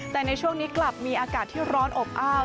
แต่ในช่วงนี้กลับมีอากาศที่ร้อนอบอ้าว